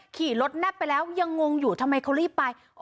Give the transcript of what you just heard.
ขี่รถแนบไปแล้วยังงงอยู่ทำไมเขารีบไป